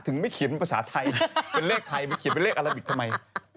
ถึงไม่เขียนเป็นภาษาไทยเป็นเลขไทยไม่เขียนเป็นเลขอัลลิฟต์ทำไม